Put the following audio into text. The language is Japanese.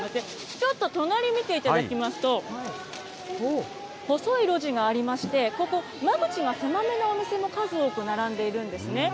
ちょっと隣見ていただきますと、細い路地がありまして、ここ、間口が狭めのお店が数多く並んでいるんですね。